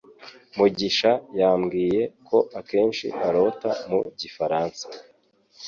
Mugisha yambwiye ko akenshi arota mu gifaransa.